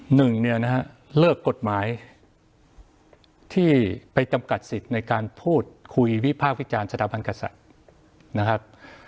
หนึ่งเนี่ยนะฮะเลิกกฎหมายที่ไปจำกัดสิทธิ์ในการพูดคุยวิพากษ์วิจารณ์สถาบันกษัตริย์นะครับ